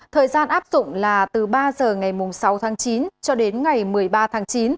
thời gian áp dụng là từ ba giờ ngày sáu tháng chín cho đến ngày một mươi ba tháng chín